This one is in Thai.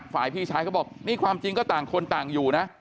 พี่ชายเขาบอกนี่ความจริงก็ต่างคนต่างอยู่นะ